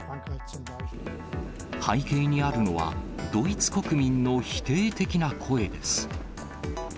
背景にあるのは、ドイツ国民の否定的な声です。